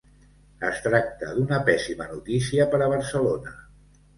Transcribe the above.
Es tracta d’una pèssima notícia per a Barcelona.